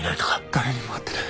誰にも会ってない。